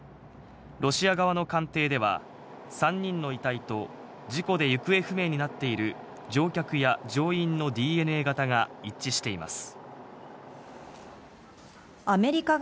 ロシア側の鑑定では、３人の遺体と事故で行方不明になっている乗客や乗員のＤＮＡ型が一致しています。